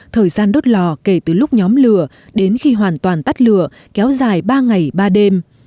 thời gian đốt lò kể từ lúc nhóm lửa đến khi hoàn toàn tắt lửa kéo dài ba ngày ba đêm